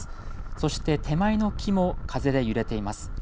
そして手前の木も風で揺れています。